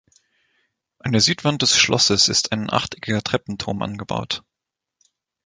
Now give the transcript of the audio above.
An der Südwand des Schlosses ist ein achteckiger Treppenturm angebaut.